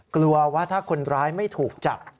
กลัวว่าถ้าคนร้ายไม่ถูกจับ